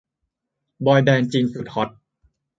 บอยแบนด์จีนสุดฮอต